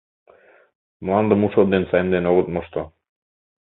Мландым у шот ден саемден огыт мошто.